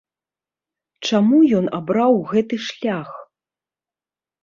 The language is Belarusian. Чаму ён абраў гэты шлях?